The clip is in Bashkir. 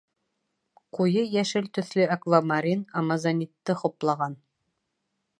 Ҡуйы йәшел төҫлө Аквамарин Амазонитты хуплаған.